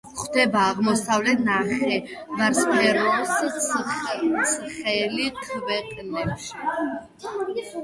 გვხვდება აღმოსავლეთ ნახევარსფეროს ცხელ ქვეყნებში.